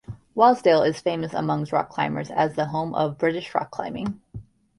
Wasdale is famous amongst rock climbers as the home of British rock climbing.